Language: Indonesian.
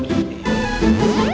hai temen temen selamat jalan